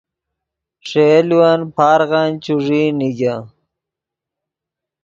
ݰے یولون پارغن چوݱیئی نیگے